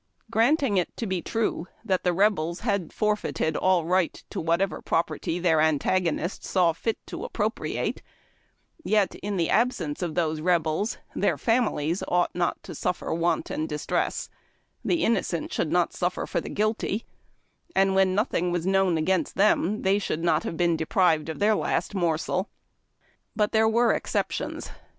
Granting it to be true that the Rebels had forfeited all right to whatever property their antagonists saw fit to appropriate, yet in the absence of those Rebels their families ought not to suffer want and distress; the innocent should not suffer for the guilty, and when nothing was known against them they sliould not have been deprived of their last morsel. But there were exceptions.